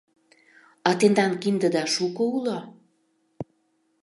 — А тендан киндыда шуко уло?